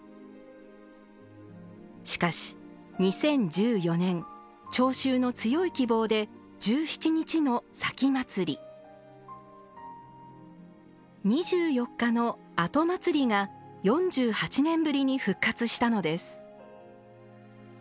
しかし、２０１４年町衆の強い希望で１７日の前祭２４日の後祭が４８年ぶりに復活したのです。